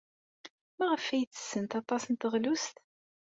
Maɣef ay ttessent aṭas n teɣlust?